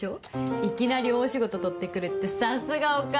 いきなり大仕事取ってくるってさすがお母さん。